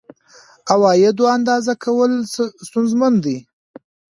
عوایدو اندازه کول ستونزمن دي.